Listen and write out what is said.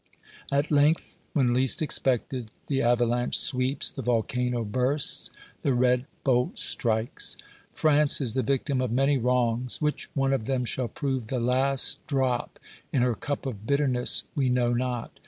At length, when least expected, the avalanche sweeps, the volcano bursts, the red bolt strikes. France is the victim of many wrongs. Which one of them shall prove the last drop in her cup of bitterness we know not.